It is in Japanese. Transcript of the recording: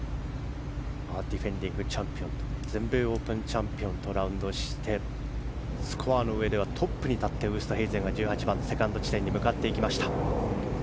ディフェンディングチャンピオン全米オープンチャンピオンとラウンドしてスコアのうえではトップに立ってウーストヘイゼンがセカンド地点に向かっていきました。